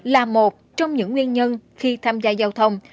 là một trong những nguyên nhân khi tham gia giao thông